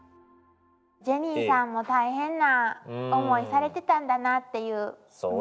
ジェニーさんも大変な思いされてたんだなっていう。